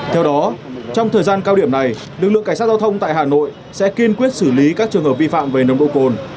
theo đó trong thời gian cao điểm này lực lượng cảnh sát giao thông tại hà nội sẽ kiên quyết xử lý các trường hợp vi phạm về nồng độ cồn